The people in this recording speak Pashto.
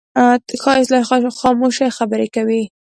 ښایست له خاموشۍ خبرې کوي